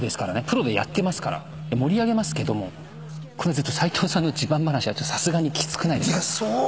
プロでやってますから盛り上げますけどもずっと斎藤さんの自慢話はさすがにきつくないですか？